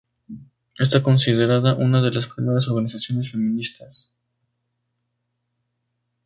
Está considerada una de las primeras organizaciones feministas.